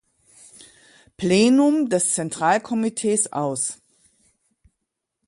Plenum des Zentralkomitees aus.